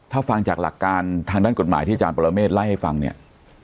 ถ้าฟังจากหลักการทางด้านกฎหมายที่อาจารย์ปรเมฆไล่ให้ฟังเนี่ย